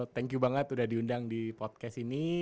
thank you banget udah diundang di podcast ini